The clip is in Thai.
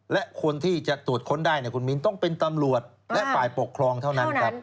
และคนที่จะตรวจค้นได้คุณมิ้นต้องเป็นตำรวจและฝ่ายปกครองเท่านั้นครับ